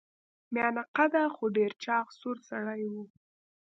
میانه قده خو ډیر چاغ سور سړی و.